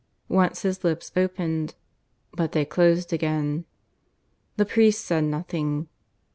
Once his lips opened, but they closed again. The priest said nothing.